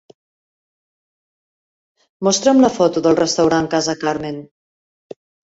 Mostra'm la foto del restaurant Casa Carmen.